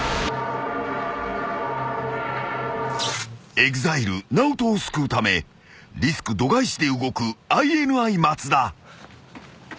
［ＥＸＩＬＥＮＡＯＴＯを救うためリスク度外視で動くＩＮＩ松田］